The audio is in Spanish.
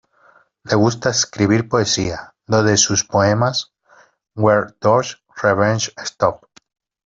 Le gusta escribir poesía, dos de sus poemas "Where Does Revenge Stop?